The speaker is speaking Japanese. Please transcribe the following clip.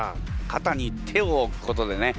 肩に手を置くことでね